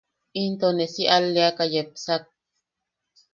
Into ne si alleaka yepsak.